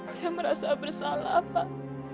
saya merasa bersalah pak